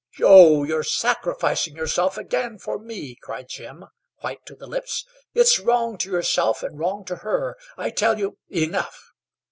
"Joe, you're sacrificing yourself again for me," cried Jim, white to the lips. "It's wrong to yourself and wrong to her. I tell you " "Enough!"